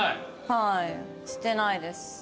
はいしてないです。